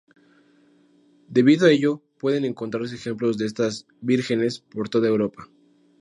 Debido a ello pueden encontrarse ejemplos de estas vírgenes por toda Europa.